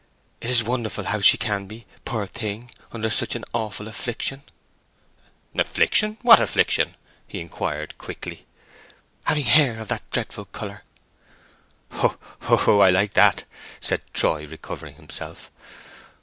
"It is wonderful how she can be, poor thing, under such an awful affliction!" "Affliction—what affliction?" he inquired, quickly. "Having hair of that dreadful colour." "Oh—ho—I like that!" said Troy, recovering himself.